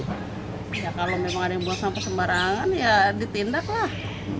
ya kalau memang ada yang buang sampah sembarangan ya ditindak lah